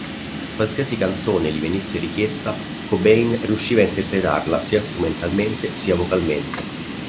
Qualsiasi canzone gli venisse richiesta, Cobain riusciva a interpretarla sia strumentalmente sia vocalmente.